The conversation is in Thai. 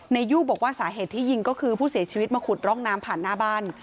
ยู่บอกว่าสาเหตุที่ยิงก็คือผู้เสียชีวิตมาขุดร่องน้ำผ่านหน้าบ้าน